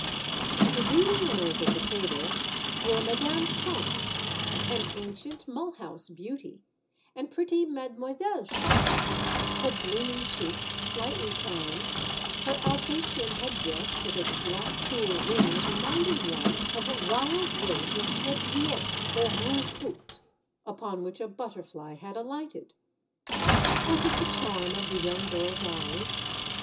And to do the honors of the table, were Madame Schontz, an ancient Mulhouse beauty, and pretty Mademoiselle Schontz, her blooming cheeks slightly tanned, her Alsacian head dress with its black tulle wings reminding one of a wild rose of Guebviller or Rouge Goutte upon which a butterfly had alighted. Was it the charm of the young girl's eyes?